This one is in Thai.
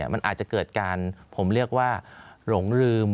มันอาจจะเกิดการผมเรียกว่าหลงลืม